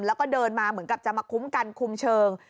แล้วก็เดินมาเหมือนกับจะมาคุ้มกันคุมเชิง